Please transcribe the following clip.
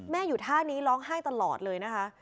อยู่ท่านี้ร้องไห้ตลอดเลยนะคะ